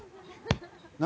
何？